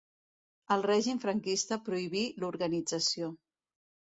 El règim franquista prohibí l'organització.